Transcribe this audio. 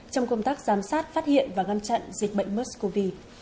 trong công tác giám sát phát hiện và ngăn chặn dịch bệnh mers cov